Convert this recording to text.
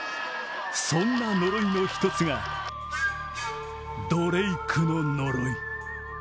そんな呪いの一つが、ドレイクの呪い。